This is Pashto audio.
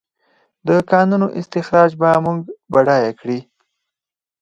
د کانونو استخراج به موږ بډایه کړي؟